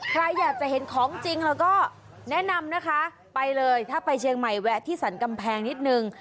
ใครอยากจะเห็นของจริงเราก็แนะนำนะคะไปเลยถ้าไปเชียงใหม่แวะที่สรรกำแพงนิดนึง